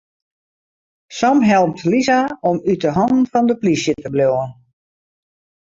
Sam helpt Lisa om út 'e hannen fan de plysje te bliuwen.